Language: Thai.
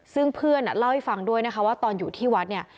ซึ่งเพื่อนเล่าให้ฟังด้วยนะคะว่าตอนอยู่ที่วัดเนี่ย